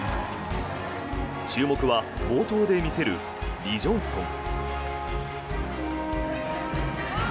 注目は冒頭で見せるリ・ジョンソン。